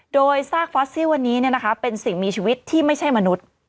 โดยซากฟอสซิลวันนี้เป็นสิ่งมีชีวิตที่ไม่ใช่มนุษย์